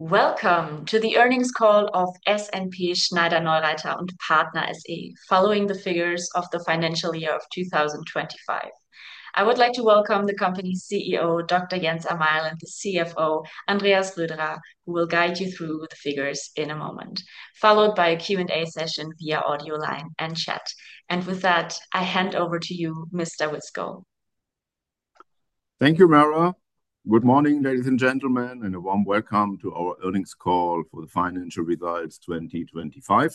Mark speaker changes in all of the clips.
Speaker 1: Welcome to the earnings call of SNP Schneider-Neureither & Partner SE following the figures of the financial year of 2025. I would like to welcome the company CEO, Dr. Jens Amail, and the CFO, Andreas Röderer, who will guide you through the figures in a moment, followed by a Q&A session via audio line and chat. With that, I hand over to you, Mr. Wiskow.
Speaker 2: Thank you, Maira. Good morning, ladies and gentlemen, and a warm welcome to our earnings call for the financial results 2025.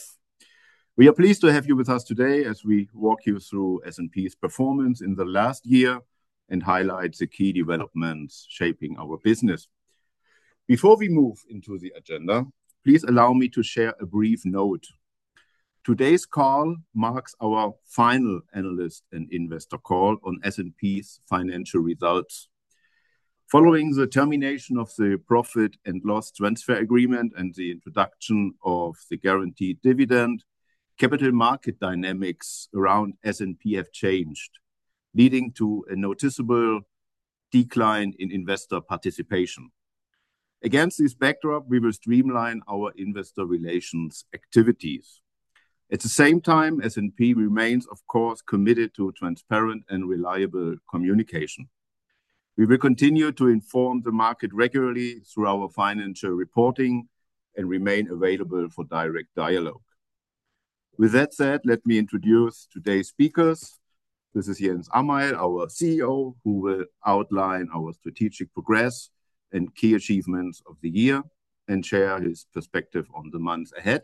Speaker 2: We are pleased to have you with us today as we walk you through SNP's performance in the last year and highlight the key developments shaping our business. Before we move into the agenda, please allow me to share a brief note. Today's call marks our final analyst and investor call on SNP's financial results. Following the termination of the profit and loss transfer agreement and the introduction of the guaranteed dividend, capital market dynamics around SNP have changed, leading to a noticeable decline in investor participation. Against this backdrop, we will streamline our investor relations activities. At the same time, SNP remains, of course, committed to transparent and reliable communication. We will continue to inform the market regularly through our financial reporting and remain available for direct dialogue. With that said, let me introduce today's speakers. This is Jens Amail, our CEO, who will outline our strategic progress and key achievements of the year and share his perspective on the months ahead.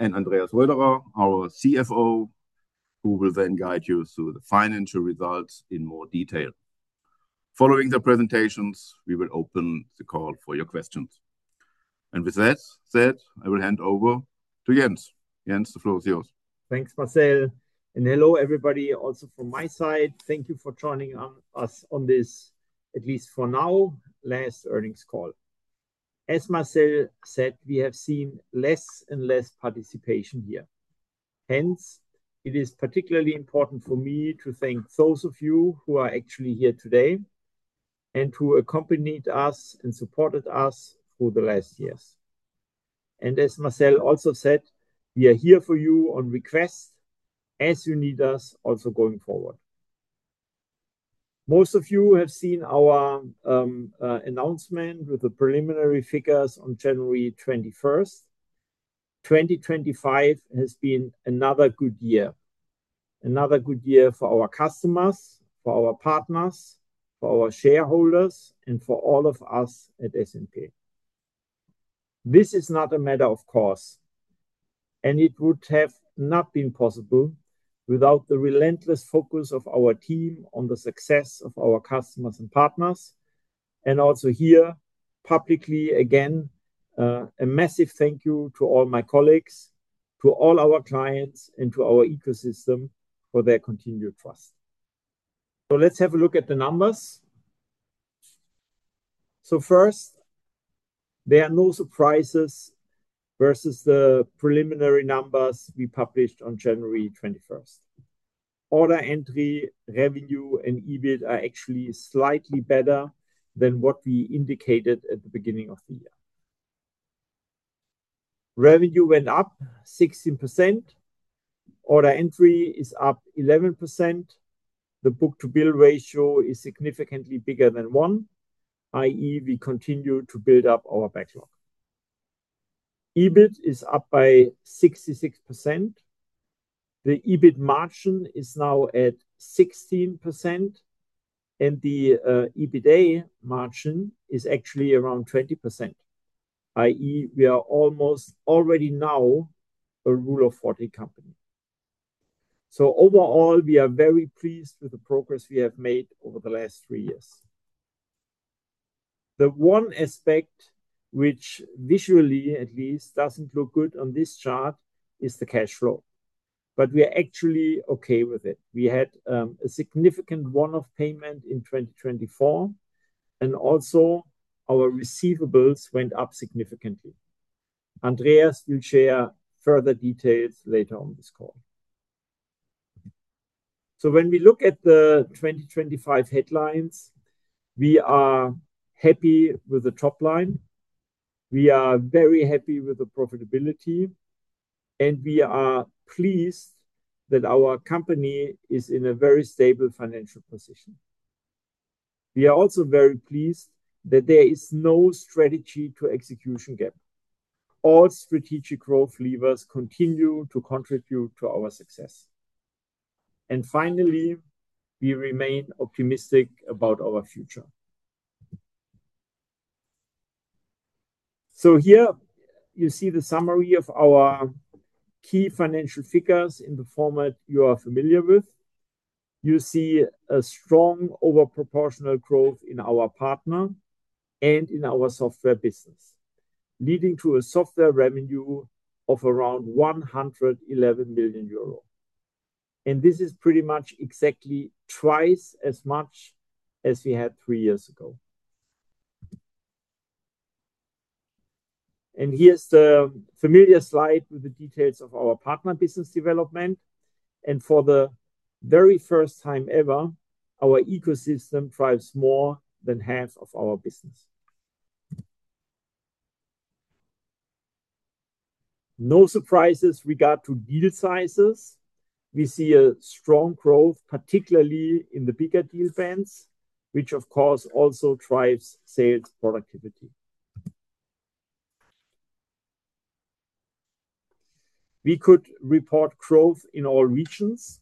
Speaker 2: Andreas Röderer, our CFO, who will then guide you through the financial results in more detail. Following the presentations, we will open the call for your questions. With that said, I will hand over to Jens. Jens, the floor is yours.
Speaker 3: Thanks, Marcel, and hello everybody also from my side. Thank you for joining us on this, at least for now, last earnings call. As Marcel said, we have seen less and less participation here. Hence, it is particularly important for me to thank those of you who are actually here today and who accompanied us and supported us through the last years. As Marcel also said, we are here for you on request as you need us also going forward. Most of you have seen our announcement with the preliminary figures on January 21st. 2025 has been another good year. Another good year for our customers, for our partners, for our shareholders, and for all of us at SNP. This is not a matter of course, and it would have not been possible without the relentless focus of our team on the success of our customers and partners. Also here publicly, again, a massive thank you to all my colleagues, to all our clients, and to our ecosystem for their continued trust. Let's have a look at the numbers. First, there are no surprises versus the preliminary numbers we published on January 21st. Order entry, revenue, and EBIT are actually slightly better than what we indicated at the beginning of the year. Revenue went up 16%. Order entry is up 11%. The book-to-bill ratio is significantly bigger than one, i.e., we continue to build up our backlog. EBIT is up by 66%. The EBIT margin is now at 16%, and the EBITA margin is actually around 20%, i.e., we are almost already now a Rule of 40 company. Overall, we are very pleased with the progress we have made over the last three years. The one aspect which visually at least doesn't look good on this chart is the cash flow, but we are actually okay with it. We had a significant one-off payment in 2024, and also our receivables went up significantly. Andreas will share further details later on this call. When we look at the 2025 headlines, we are happy with the top line, we are very happy with the profitability, and we are pleased that our company is in a very stable financial position. We are also very pleased that there is no strategy to execution gap. All strategic growth levers continue to contribute to our success. Finally, we remain optimistic about our future. Here you see the summary of our key financial figures in the format you are familiar with. You see a strong overproportional growth in our partner and in our software business, leading to a software revenue of around 111 million euro. This is pretty much exactly twice as much as we had three years ago. Here's the familiar slide with the details of our partner business development. For the very first time ever, our ecosystem drives more than half of our business. No surprises regarding deal sizes. We see a strong growth, particularly in the bigger deal events, which of course also drives sales productivity. We could report growth in all regions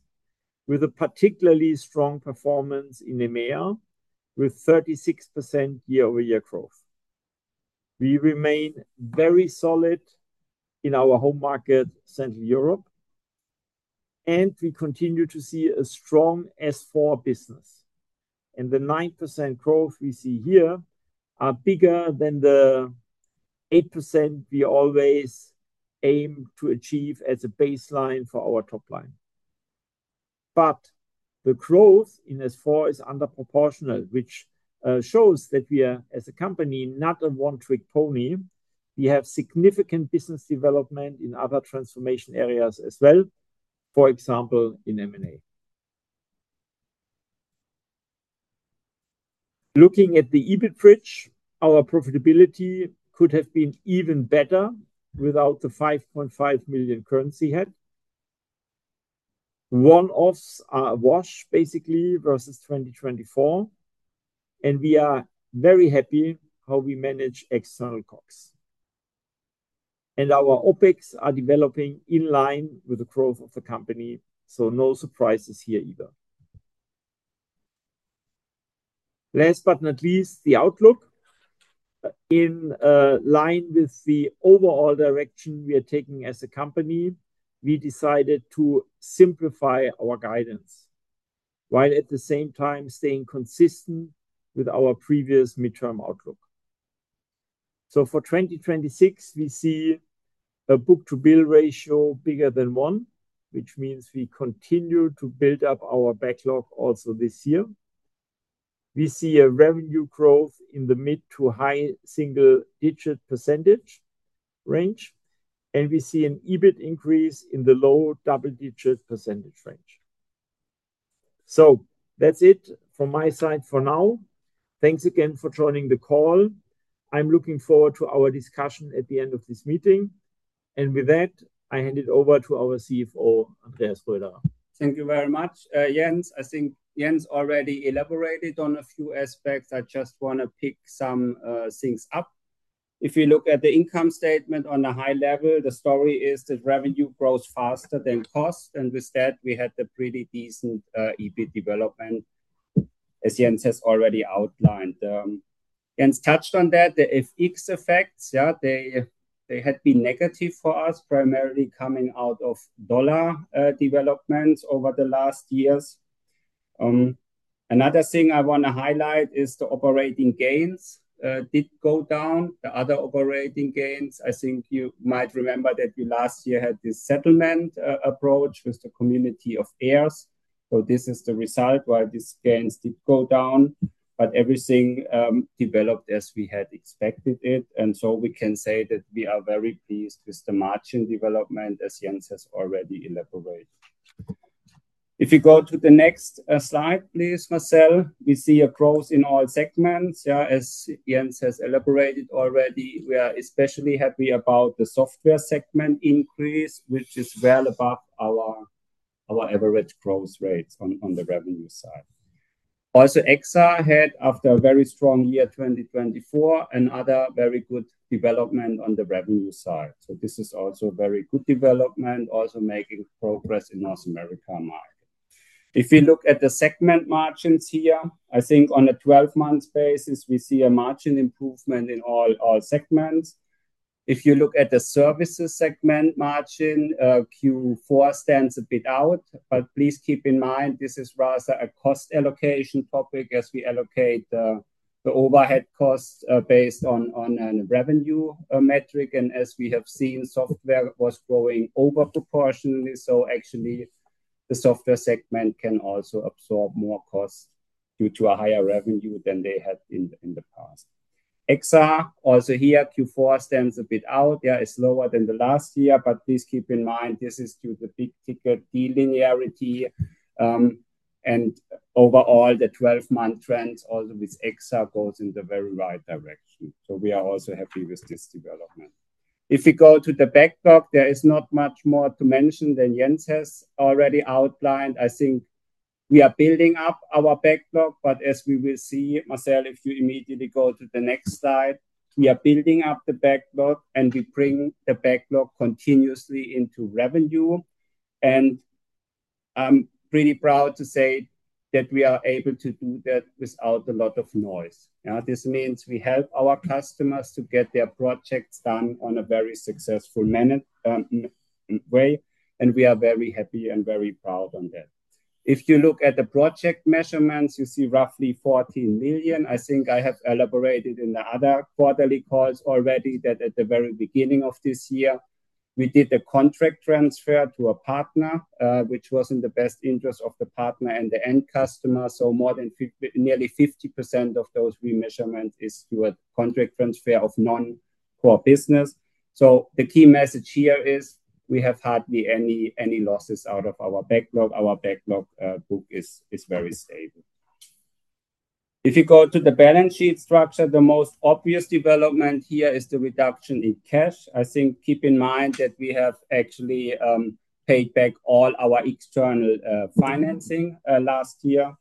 Speaker 3: with a particularly strong performance in EMEA, with 36% year-over-year growth. We remain very solid in our home market, Central Europe, and we continue to see a strong S/4 business. The 9% growth we see here are bigger than the 8% we always aim to achieve as a baseline for our top line. The growth in S/4 is disproportional, which shows that we are as a company, not a one-trick pony. We have significant business development in other transformation areas as well, for example, in M&A. Looking at the EBIT bridge, our profitability could have been even better without the 5.5 million currency headwind. One-offs are a wash basically versus 2024, and we are very happy how we manage external costs. Our OpEx are developing in line with the growth of the company, so no surprises here either. Last but not least, the outlook. In line with the overall direction we are taking as a company, we decided to simplify our guidance while at the same time staying consistent with our previous midterm outlook. For 2026, we see a book-to-bill ratio bigger than one, which means we continue to build up our backlog also this year. We see a revenue growth in the mid- to high single-digit percentage range, and we see an EBIT increase in the low double-digit percentage range. That's it from my side for now. Thanks again for joining the call. I'm looking forward to our discussion at the end of this meeting. With that, I hand it over to our CFO, Andreas Röderer.
Speaker 4: Thank you very much, Jens. I think Jens already elaborated on a few aspects. I just wanna pick some things up. If you look at the income statement on a high level, the story is that revenue grows faster than cost. With that, we had a pretty decent EBIT development, as Jens has already outlined. Jens touched on that. The FX effects, they had been negative for us, primarily coming out of dollar developments over the last years. Another thing I wanna highlight is the operating gains did go down. The other operating gains, I think you might remember that we last year had this settlement approach with the Community of Heirs. This is the result why these gains did go down, but everything developed as we had expected it. We can say that we are very pleased with the margin development, as Jens has already elaborated. If you go to the next slide, please, Marcel. We see a growth in all segments. Yeah. As Jens has elaborated already, we are especially happy about the software segment increase, which is well above our average growth rates on the revenue side. Also, EXA had, after a very strong year 2024, another very good development on the revenue side. This is also very good development, also making progress in North America market. If you look at the segment margins here, I think on a 12-month basis, we see a margin improvement in all segments. If you look at the services segment margin, Q4 stands a bit out, but please keep in mind this is rather a cost allocation topic as we allocate the overhead costs based on a revenue metric. As we have seen, software was growing over proportionally. Actually the software segment can also absorb more costs due to a higher revenue than they had in the past. EXA also here Q4 stands a bit out. Yeah, it's lower than last year, but please keep in mind this is due to big-ticket deal linearity. Overall the 12-month trends also with EXA goes in the very right direction. We are also happy with this development. If you go to the backlog, there is not much more to mention than Jens has already outlined. I think we are building up our backlog, but as we will see, Marcel, if you immediately go to the next slide, we are building up the backlog, and we bring the backlog continuously into revenue. I'm pretty proud to say that we are able to do that without a lot of noise. This means we help our customers to get their projects done in a very successful way, and we are very happy and very proud on that. If you look at the project measurements, you see roughly 14 million. I think I have elaborated in the other quarterly calls already that at the very beginning of this year. We did a contract transfer to a partner, which was in the best interest of the partner and the end customer. Nearly 50% of those remeasurement is through a contract transfer of non-core business. The key message here is we have hardly any losses out of our backlog. Our backlog book is very stable. If you go to the balance sheet structure, the most obvious development here is the reduction in cash. I think keep in mind that we have actually paid back all our external financing last year.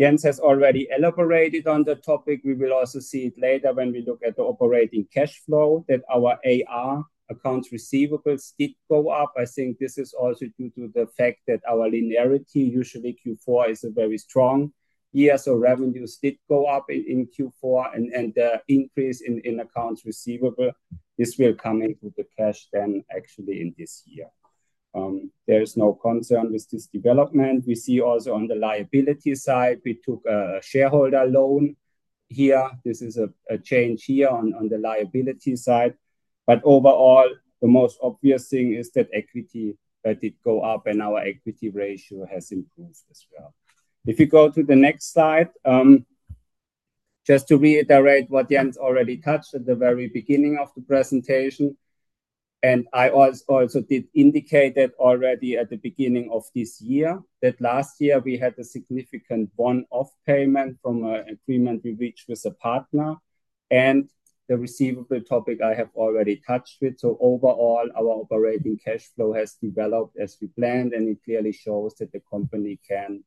Speaker 4: Jens has already elaborated on the topic. We will also see it later when we look at the operating cash flow that our AR, accounts receivable, did go up. I think this is also due to the fact that our linearity, usually Q4, is a very strong year. Revenues did go up in Q4 and the increase in accounts receivable. This will come in with the cash then actually in this year. There is no concern with this development. We see also on the liability side, we took a shareholder loan here. This is a change here on the liability side. Overall, the most obvious thing is that equity, that did go up and our equity ratio has improved as well. If you go to the next slide, just to reiterate what Jens already touched at the very beginning of the presentation, and I also did indicate that already at the beginning of this year, that last year we had a significant one-off payment from an agreement we reached with a partner and the receivable topic I have already touched with. Overall, our operating cash flow has developed as we planned, and it clearly shows that the company can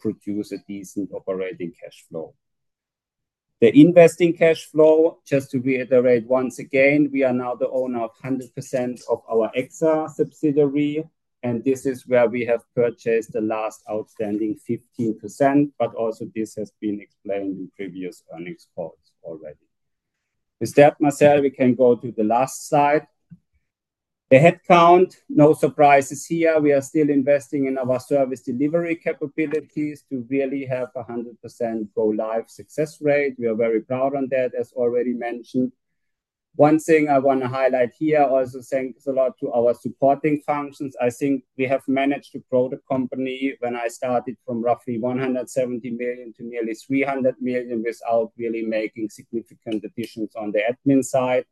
Speaker 4: produce a decent operating cash flow. The investing cash flow, just to reiterate once again, we are now the owner of 100% of our EXA subsidiary, and this is where we have purchased the last outstanding 15%, but also this has been explained in previous earnings calls already. With that, Marcel, we can go to the last slide. The headcount, no surprises here. We are still investing in our service delivery capabilities to really have a 100% go live success rate. We are very proud on that, as already mentioned. One thing I wanna highlight here, also thanks a lot to our supporting functions. I think we have managed to grow the company when I started from roughly 170 million to nearly 300 million without really making significant additions on the admin side.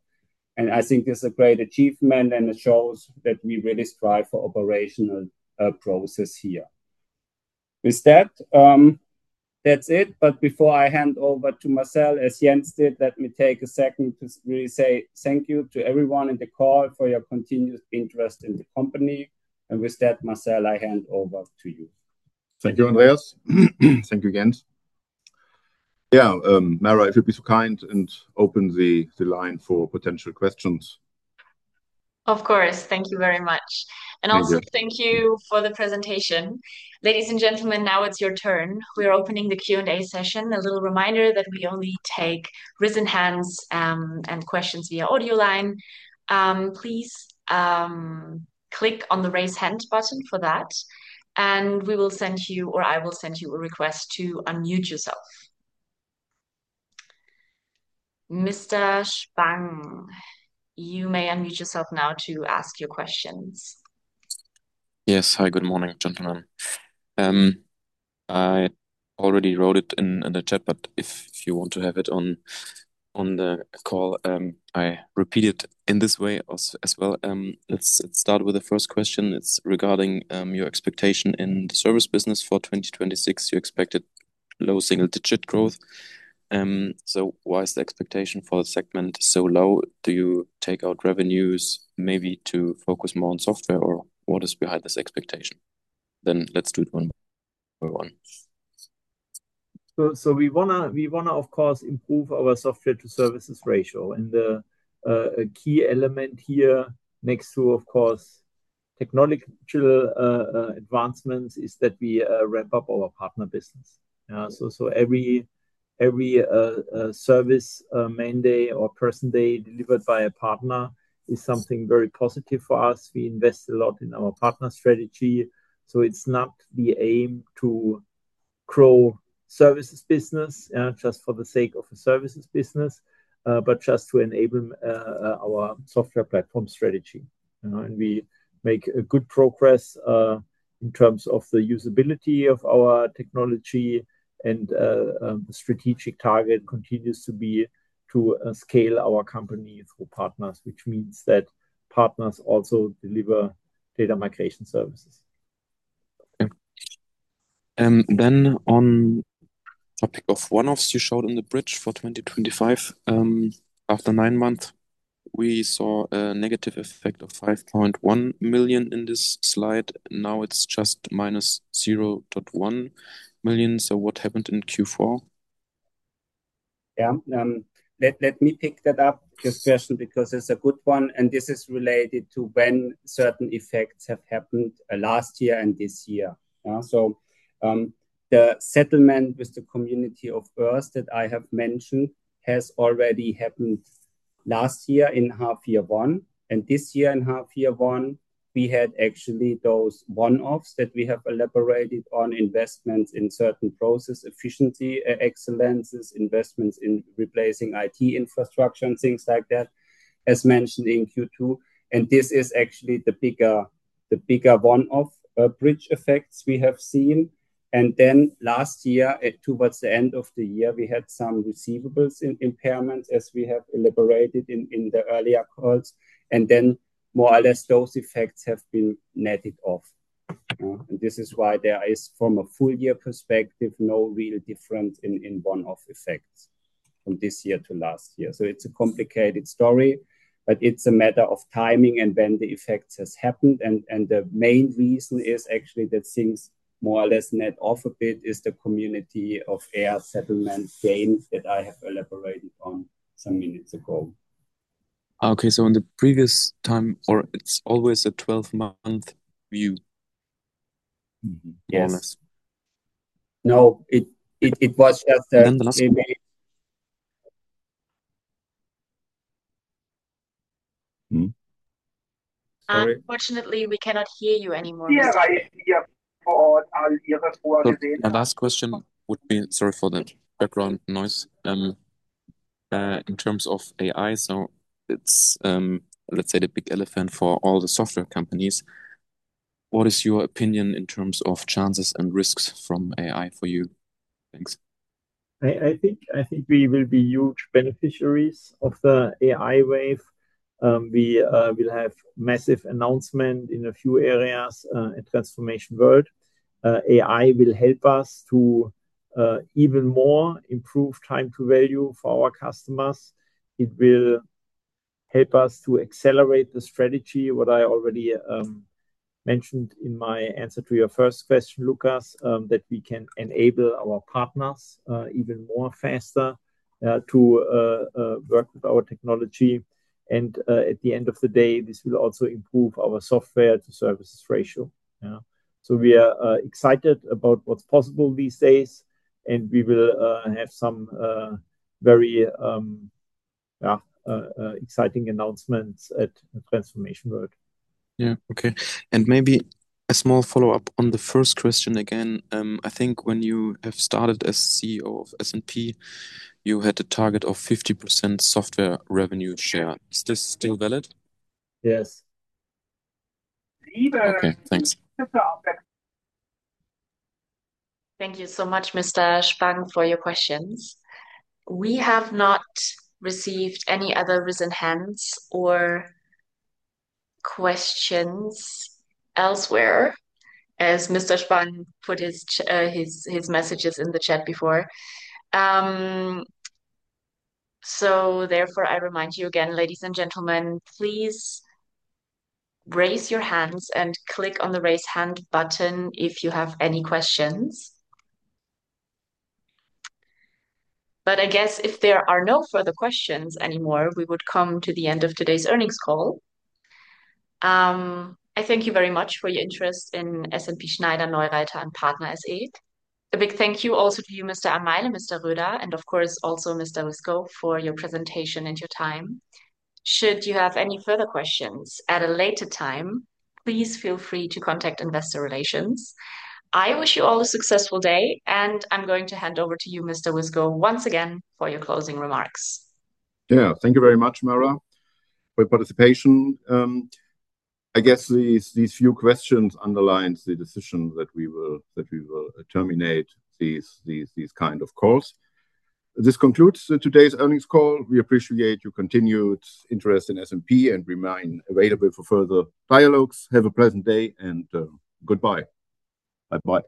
Speaker 4: I think this is a great achievement, and it shows that we really strive for operational process here. With that's it. Before I hand over to Marcel, as Jens did, let me take a second to really say thank you to everyone in the call for your continued interest in the company. With that, Marcel, I hand over to you.
Speaker 2: Thank you, Andreas. Thank you, Jens. Yeah, Maira, if you'd be so kind and open the line for potential questions.
Speaker 1: Of course. Thank you very much.
Speaker 2: Thank you.
Speaker 1: Also thank you for the presentation. Ladies and gentlemen, now it's your turn. We are opening the Q&A session. A little reminder that we only take raised hands and questions via audio line. Please, click on the Raise Hand button for that, and we will send you or I will send you a request to unmute yourself. Mr. Spann, you may unmute yourself now to ask your questions.
Speaker 5: Yes. Hi, good morning, gentlemen. I already wrote it in the chat, but if you want to have it on the call, I repeat it in this way as well. Let's start with the first question. It's regarding your expectation in the service business for 2026. You expected low single-digit growth. Why is the expectation for the segment so low? Do you take out revenues maybe to focus more on software or what is behind this expectation? Let's do it one by one.
Speaker 4: We wanna, of course, improve our software to services ratio. A key element here next to, of course, technological advancements is that we ramp up our partner business. Every service man day or person day delivered by a partner is something very positive for us. We invest a lot in our partner strategy. It's not the aim to grow services business just for the sake of a services business, but just to enable our software platform strategy. You know, and we make a good progress in terms of the usability of our technology and the strategic target continues to be to scale our company through partners, which means that partners also deliver data migration services.
Speaker 5: Okay. On topic of one-offs you showed on the bridge for 2025, after nine months, we saw a negative effect of 5.1 million in this slide. Now it's just -0.1 million. What happened in Q4?
Speaker 4: Let me pick that up, this question, because it's a good one, and this is related to when certain effects have happened, last year and this year. The settlement with the Community of Heirs that I have mentioned has already happened last year in half year one. This year in half year one, we had actually those one-offs that we have elaborated on investments in certain process efficiency, excellences, investments in replacing IT infrastructure and things like that, as mentioned in Q2. This is actually the bigger one-off bridge effects we have seen.
Speaker 3: Last year, towards the end of the year, we had some receivables impairments, as we have elaborated in the earlier calls. More or less those effects have been netted off. This is why there is, from a full year perspective, no real difference in one-off effects from this year to last year. It's a complicated story, but it's a matter of timing and when the effects has happened. The main reason is actually that things more or less net off a bit is the Community of Heirs settlement gains that I have elaborated on some minutes ago.
Speaker 5: Okay. It's always a 12-month view?
Speaker 3: Yes. No, it was just.
Speaker 5: Then the last-
Speaker 3: Maybe-
Speaker 1: Unfortunately, we cannot hear you anymore, Lucas Spann.
Speaker 5: My last question would be. Sorry for the background noise. In terms of AI, it's, let's say, the big elephant for all the software companies. What is your opinion in terms of chances and risks from AI for you? Thanks.
Speaker 3: I think we will be huge beneficiaries of the AI wave. We will have massive announcement in a few areas at Transformation World. AI will help us to even more improve time to value for our customers. It will help us to accelerate the strategy what I already mentioned in my answer to your first question, Lucas, that we can enable our partners even more faster to work with our technology. At the end of the day, this will also improve our software to services ratio. Yeah. We are excited about what's possible these days, and we will have some very exciting announcements at Transformation World.
Speaker 5: Yeah. Okay. Maybe a small follow-up on the first question again. I think when you have started as CEO of SNP, you had a target of 50% software revenue share. Is this still valid?
Speaker 3: Yes.
Speaker 5: Okay. Thanks.
Speaker 1: Thank you so much, Mr. Spann, for your questions. We have not received any other raised hands or questions elsewhere, as Mr. Spann put his messages in the chat before. Therefore, I remind you again, ladies and gentlemen, please raise your hands and click on the Raise Hand button if you have any questions. I guess if there are no further questions anymore, we would come to the end of today's earnings call. I thank you very much for your interest in SNP Schneider-Neureither & Partner SE. A big thank you also to you, Mr. Amail, Mr. Röderer, and of course also Mr. Wiskow for your presentation and your time. Should you have any further questions at a later time, please feel free to contact investor relations. I wish you all a successful day, and I'm going to hand over to you, Mr. Wiskow, once again for your closing remarks.
Speaker 2: Yeah. Thank you very much, Maira, for your participation. I guess these few questions underlines the decision that we will terminate these kind of calls. This concludes today's earnings call. We appreciate your continued interest in SNP, and remain available for further dialogues. Have a pleasant day, and goodbye. Bye-bye.